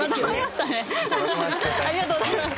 ありがとうございます。